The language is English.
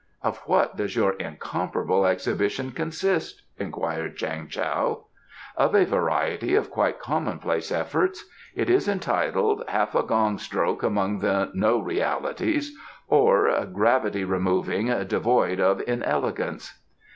"Of what does your incomparable exhibition consist?" inquired Chang Tao. "Of a variety of quite commonplace efforts. It is entitled 'Half a gong stroke among the No realities; or Gravity removing devoid of Inelegance.